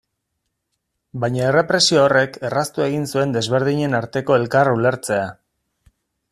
Baina errepresio horrek erraztu egin zuen desberdinen arteko elkar ulertzea.